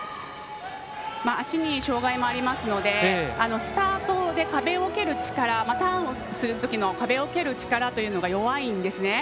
足に障がいもありますのでスタートで壁をける力ターンをするときの壁を蹴る力というのが弱いんですね。